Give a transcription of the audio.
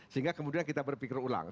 sehingga kemudian kita berpikir ulang